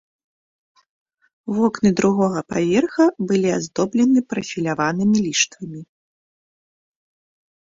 Вокны другога паверха былі аздоблены прафіляванымі ліштвамі.